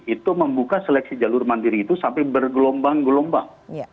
itu membuka seleksi jalur mandiri itu sampai bergelombang gelombang